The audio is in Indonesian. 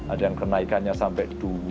ada yang kenaikannya sampai dulu